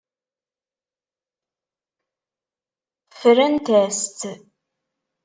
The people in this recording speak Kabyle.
Ffrent-as-tt.